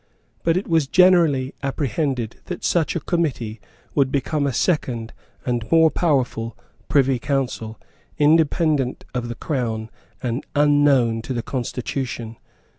But it was generally apprehended that such a Committee would become a second and more powerful Privy Council, independent of the Crown, and unknown to the Constitution.